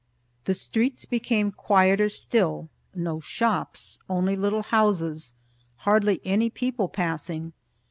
The streets became quieter still; no shops, only little houses; hardly any people passing.